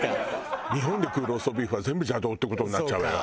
日本で食うローストビーフは全部邪道って事になっちゃうわよ